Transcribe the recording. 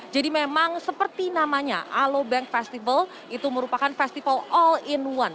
jadi memang seperti namanya alo bank festival itu merupakan festival all in one